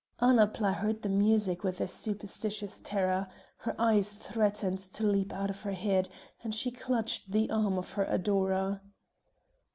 Annapla heard the music with a superstitious terror; her eyes threatened to leap out of her head, and she clutched the arm of her adorer.